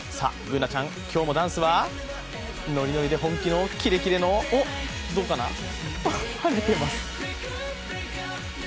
Ｂｏｏｎａちゃん、今日もダンスはノリノリで本気のキレキレのおっ、どうかな。